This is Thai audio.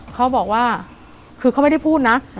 เขาบอกว่าคือเขาไม่ได้พูดนะ